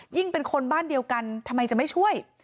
เป็นคนบ้านเดียวกันทำไมจะไม่ช่วย